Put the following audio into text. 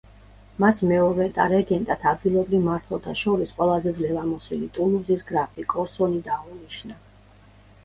მას მეურვედ და რეგენტად ადგილობრივ მმართველთა შორის ყველაზე ძლევამოსილი, ტულუზის გრაფი კორსონი დაუნიშნა.